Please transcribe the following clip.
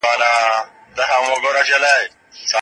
دا معاهده اوس یوازې په کاغذ کي پاتې ده.